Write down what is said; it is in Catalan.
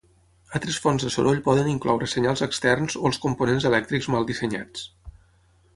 Altres fonts de soroll poden incloure senyals externs o els components elèctrics mal dissenyats.